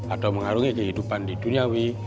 atau mengarungi kehidupan di duniawi